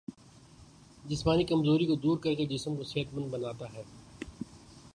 جسمانی کمزوری کو دور کرکے جسم کو صحت مند بناتا ہے